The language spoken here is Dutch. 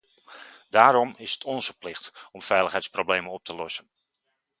Daarom is het onze plicht om veiligheidsproblemen op te lossen.